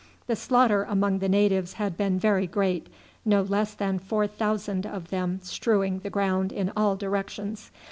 The slaughter among the natives had been very great no less than four thousand of them strewing the ground in all directions.